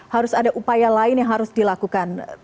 harus ada upaya lain yang harus dilakukan